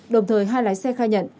đồng thời hai lái xe khai nhận